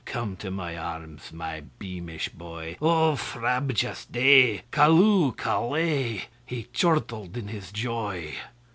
Come to my arms, my beamish boy!O frabjous day! Callooh! Callay!"He chortled in his joy.